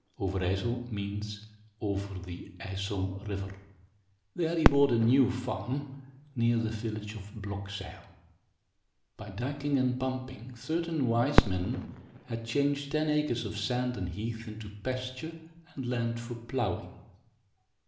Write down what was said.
Overijssel means over the Ijssel River. There he bought a new farm, near the village of Blokzyl. By dyking and pumping, certain wise men had changed ten acres, of sand and heath, into pasture and land for plowing.